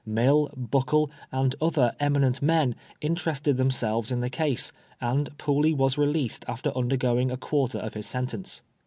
Mill, Buckle, and other eminent men, interested themselves in the case, and Pooley was released after undergoing a quarter of his sentence.